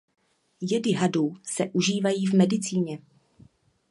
Jedy hadů se užívají v medicíně.